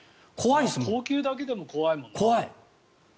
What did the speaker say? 硬球だけでも怖いもんね。